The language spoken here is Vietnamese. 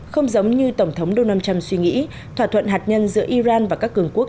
không giống như tổng thống donald trump suy nghĩ thỏa thuận hạt nhân giữa iran và các cường quốc